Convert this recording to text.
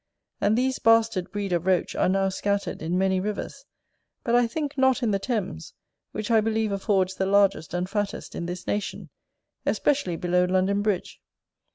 And these bastard breed of Roach are now scattered in many rivers: but I think not in the Thames, which I believe affords the largest and fattest in this nation, especially below London Bridge.